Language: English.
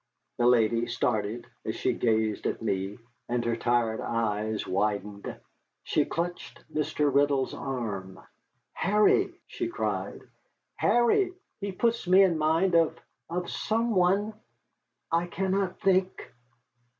The lady started as she gazed at me, and her tired eyes widened. She clutched Mr. Riddle's arm. "Harry!" she cried, "Harry, he puts me in mind of of some one I cannot think."